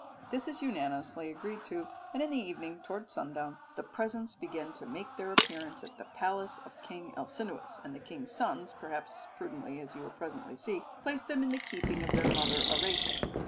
This is unanimously agreed to, and in the evening, towards sundown, the presents began to make their appearance at the palace of King Alcinous, and the king's sons, perhaps prudently as you will presently see, place them in the keeping of their mother Arete.